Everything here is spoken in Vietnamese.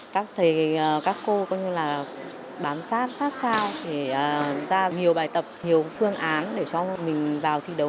các thầy các cô bám sát sát sao ra nhiều bài tập nhiều phương án để cho mình vào thi đấu